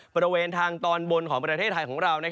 บริเวณทางตอนบนของประเทศไทยของเรา